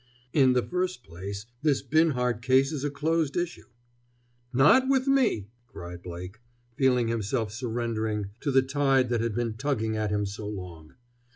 "In the first place, this Binhart case is a closed issue." "Not with me!" cried Blake, feeling himself surrendering to the tide that had been tugging at him so long.